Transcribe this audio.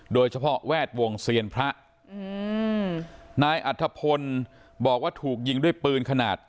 โดยเฉพาะแวดวงเซียนพระอืมนายอัธพลบอกว่าถูกยิงด้วยปืนขนาด